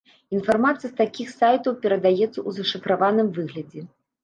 Інфармацыя з такіх сайтаў перадаецца ў зашыфраваным выглядзе.